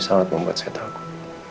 sangat membuat saya takut